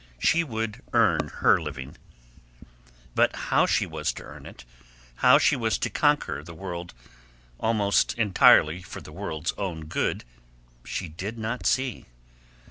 She would earn her living. But how she was to earn it, how she was to conquer the world almost entirely for the world's own good she did not see.